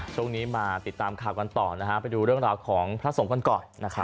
ช่วงนี้มาติดตามข่าวกันต่อนะฮะไปดูเรื่องราวของพระศงก่อนก่อนนะครับ